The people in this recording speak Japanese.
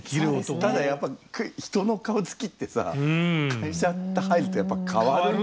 ただやっぱ人の顔つきってさ会社って入るとやっぱ変わるんだねって。